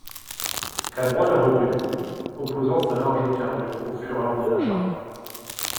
Cavrois le recueillit, opposant sa large carrure aux fureurs des acharnés.